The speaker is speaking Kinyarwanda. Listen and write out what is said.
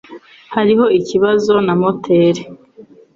Hariho ikibazo na moteri.